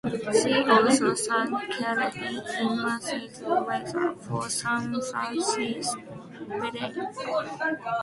She also sang Charlotte in Massenet's "Werther", for San Francisco Opera.